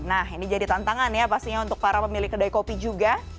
nah ini jadi tantangan ya pastinya untuk para pemilik kedai kopi juga